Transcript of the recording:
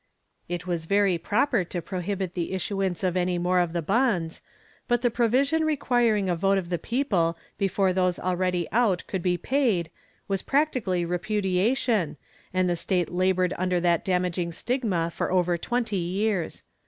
It was very proper to prohibit the issuance of any more of the bonds, but the provision requiring a vote of the people before those already out could be paid was practically repudiation, and the state labored under that damaging stigma for over twenty years.